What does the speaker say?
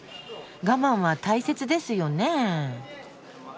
我慢は大切ですよねえ。